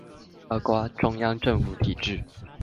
包括中央政府體制